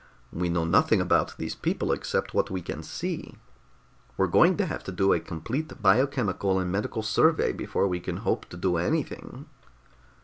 "We know nothing about these people except what we can see. We're going to have to do a complete biochemical and medical survey before we can hope to do anything."